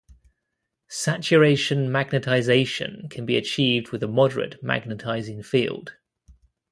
Saturation magnetization can be achieved with a moderate magnetizing field.